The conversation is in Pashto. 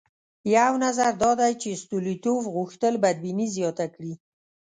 یو نظر دا دی چې ستولیتوف غوښتل بدبیني زیاته کړي.